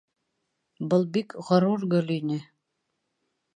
Был бик ғорур гөл ине...